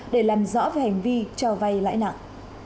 để làm rõ về hành vi cho vay lãi nặng